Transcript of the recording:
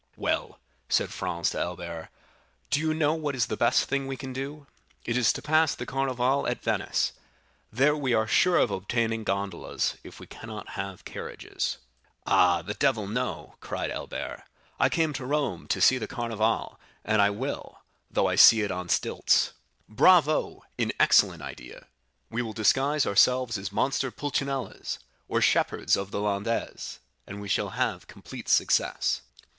"Well," said Franz to Albert, "do you know what is the best thing we can do? It is to pass the Carnival at Venice; there we are sure of obtaining gondolas if we cannot have carriages." "Ah, the devil, no," cried Albert; "I came to Rome to see the Carnival, and I will, though I see it on stilts." "Bravo! an excellent idea. We will disguise ourselves as monster pulchinellos or shepherds of the Landes, and we shall have complete success."